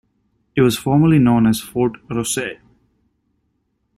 It was formerly known as Fort-Rousset.